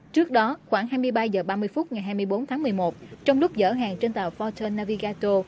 trước đó khoảng hai mươi ba h ba mươi phút ngày hai mươi bốn tháng một mươi một trong lúc dở hàng trên tàu forternavigato